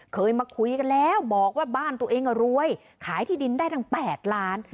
เคยมาคุยกันแล้วบอกว่าบ้านตัวเองก็รวยขายที่ดินได้ทั้ง๘ล้าน